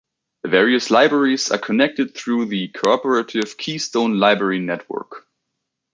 The various libraries are connected through the cooperative Keystone Library Network.